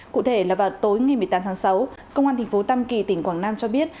cụ thể là vào tối ngày một mươi tám tháng sáu công an tp tâm kỳ tỉnh quảng nam cho biết